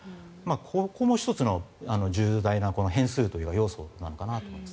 ここも１つの重大な変数というか要素なのかなと。